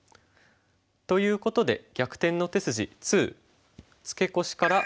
ということで「逆転の手筋２」。